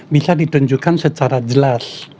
bisa ditunjukkan secara jelas